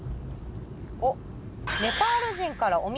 おっ。